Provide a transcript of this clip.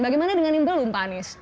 bagaimana dengan yang belum pak anies